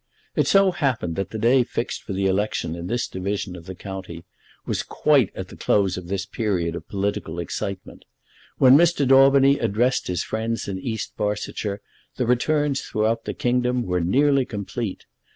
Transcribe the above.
It so happened that the day fixed for the election in this division of the county was quite at the close of this period of political excitement. When Mr. Daubeny addressed his friends in East Barsetshire the returns throughout the kingdom were nearly complete.